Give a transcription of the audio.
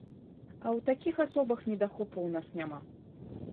А ў такіх асобах недахопу ў нас няма.